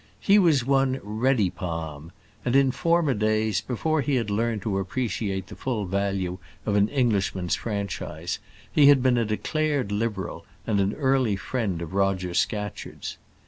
He was one Reddypalm, and in former days, before he had learned to appreciate the full value of an Englishman's franchise, he had been a declared Liberal and an early friend of Roger Scatcherd's.